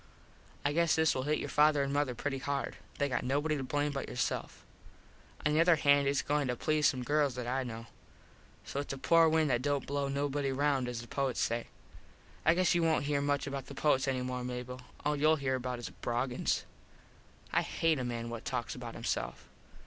I guess this will hit your father an mother pretty hard. They got nobody to blame but yourself. On the other hand its goin to please some girls that I know. So its a poor wind that dont blow nobody round as the poets say. I guess you wont here much about the poets any more, Mable. About all youll here is Broggins. I hate a man what talks about himself.